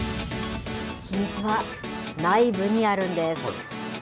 秘密は内部にあるんです。